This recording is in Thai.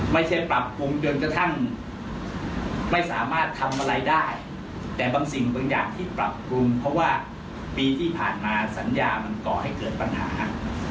ไม่ใช่ปรับปรุงจนกระทั่งไม่สามารถทำอะไรได้แต่บางสิ่งบางอย่างที่ปรับปรุงเพราะว่าปีที่ผ่านมาสัญญามันก่อให้เกิดปัญหา